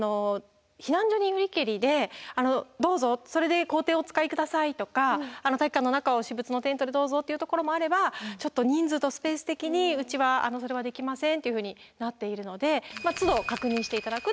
避難所によりけりで「どうぞそれで校庭お使い下さい」とか体育館の中を「私物のテントでどうぞ」というところもあれば「ちょっと人数とスペース的にうちはそれはできません」っていうふうになっているのでつど確認して頂くということになります。